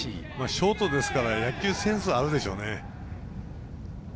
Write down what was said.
ショートですから野球センスはあるでしょうね。